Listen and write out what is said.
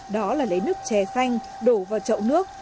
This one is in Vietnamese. đó là lấy nước chè xanh đổ vào chậu nước